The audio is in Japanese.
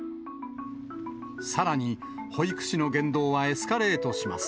さらに、保育士の言動はエスカレートします。